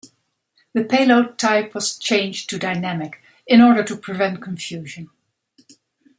The payload type was changed to dynamic, in order to prevent confusion.